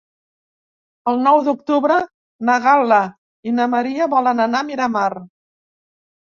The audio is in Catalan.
El nou d'octubre na Gal·la i na Maria volen anar a Miramar.